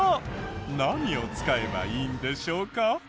何を使えばいいんでしょうか？